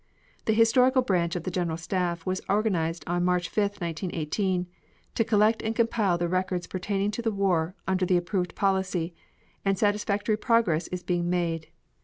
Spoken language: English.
The Historical Branch of the General Staff was organized March 5, 1918, to collect and compile the records pertaining to the war under the approved policy, and satisfactory progress is being made.